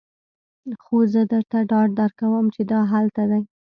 خو زه درته ډاډ درکوم چې دا هلته دی